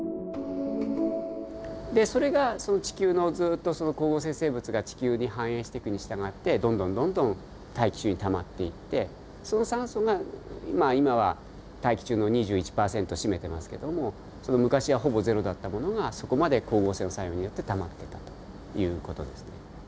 それが地球のずっと光合成生物が地球に繁栄していくに従ってどんどんどんどん大気中にたまっていってその酸素がまあ今は大気中の２１％占めてますけども昔はほぼゼロだったものがそこまで光合成の作用によってたまっていったという事ですね。